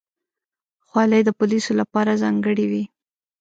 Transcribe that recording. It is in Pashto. خولۍ د پولیسو لپاره ځانګړې وي.